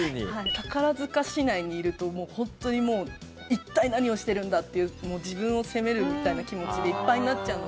宝塚市内にいるともうホントに一体何をしてるんだっていう自分を責めるみたいな気持ちでいっぱいになっちゃうので。